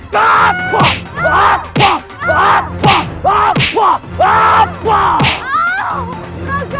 raka aku adikmu ketering maha nikra